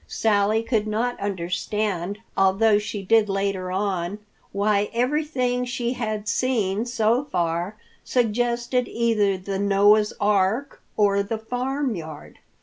Sally could not understand, although she did later on, why everything she had seen so far suggested either the Noah's Ark or the farmyard.